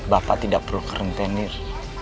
bapak tidak perlu kerentenir